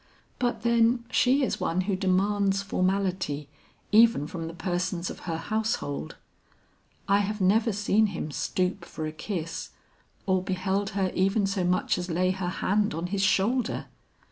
But then she is one who demands formality even from the persons of her household. I have never seen him stoop for a kiss or beheld her even so much as lay her hand on his shoulder.